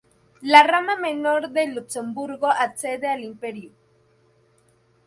La rama menor de Luxemburgo accede al Imperio.